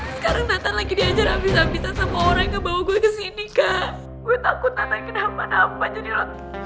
sekarang nathan lagi diajar habis habisan sama orang yang bawa gue ke sini kak gue takut nathan kena hampa hampan jadi lo